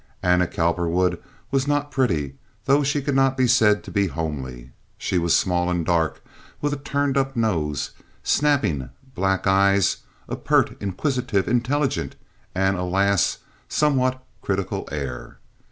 Anna Cowperwood was not pretty, though she could not be said to be homely. She was small and dark, with a turned up nose, snapping black eyes, a pert, inquisitive, intelligent, and alas, somewhat critical, air.